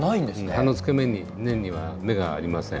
葉の付け根には芽がありません。